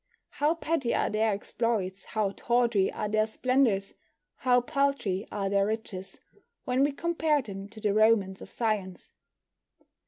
How petty are their exploits, how tawdry are their splendours, how paltry are their riches, when we compare them to the romance of science.